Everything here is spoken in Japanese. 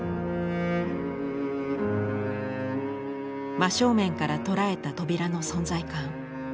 真正面から捉えた扉の存在感。